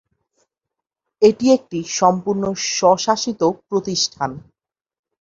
এটি একটি সম্পূর্ণ স্বশাসিত প্রতিষ্ঠান।